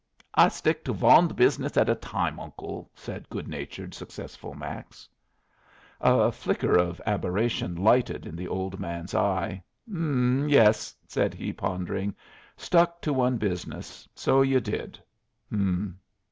"I stick to von business at a time, Uncle," said good natured, successful Max. A flicker of aberration lighted in the old man's eye. "H'm, yes," said he, pondering. "Stuck to one business. So you did. H'm."